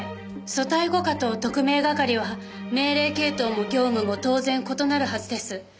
組対５課と特命係は命令系統も業務も当然異なるはずです。